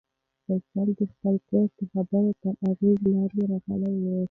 فیصل د خپل کورس د خبرو تر اغېز لاندې راغلی و.